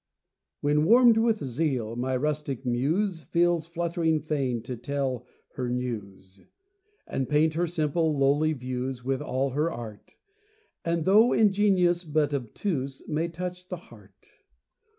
When warm'd with zeal, my rustic Muse Feels fluttering fain to tell her news, And paint her simple, lowly views With all her art, And, though in genius but obtuse, May touch the heart.